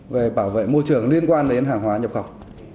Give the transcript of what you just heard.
về bảo vệ môi trường liên quan đến hàng hóa nhập khẩu